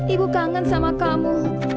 ibu kangen sama kamu